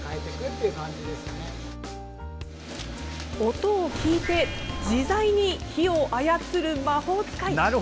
音を聞いて自在に火を操る魔法使い。